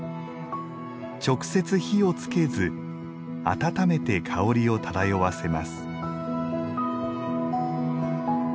直接火を付けず温めて香りを漂わせます。